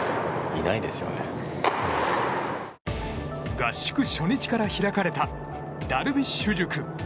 合宿初日から開かれたダルビッシュ塾。